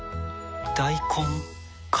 大根か